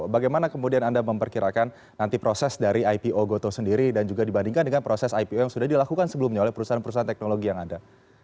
bagaimana kemudian anda memperkirakan nanti proses dari ipo gotoh sendiri dan juga dibandingkan dengan proses ipo yang sudah dilakukan sebelumnya oleh perusahaan perusahaan teknologi yang ada